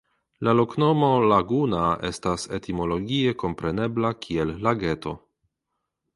La loknomo "Laguna" estas etimologie komprenebla kiel "Lageto".